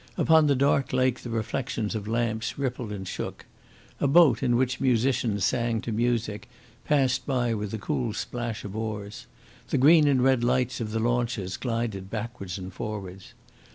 Upon the dark lake the reflections of lamps rippled and shook. A boat in which musicians sang to music, passed by with a cool splash of oars. The green and red lights of the launches glided backwards and forwards.